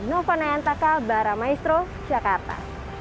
nukonayantaka baramaestro jakarta